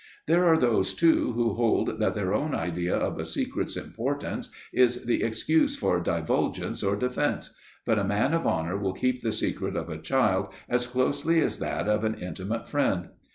There are those, too, who hold that their own idea of a secret's importance is the excuse for divulgence or defense, but a man of honour will keep the secret of a child as closely as that of an intimate friend.